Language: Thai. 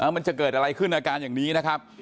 มันจะเกิดอะไรขึ้นอาการอย่างนี้นะครับ